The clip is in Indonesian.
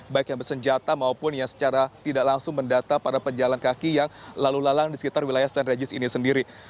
baik yang bersenjata maupun yang secara tidak langsung mendata para pejalan kaki yang lalu lalang di sekitar wilayah st regis ini sendiri